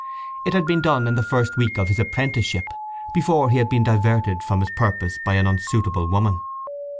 It had been done in the first week of his apprenticeship, before he had been diverted from his purposes by an unsuitable woman.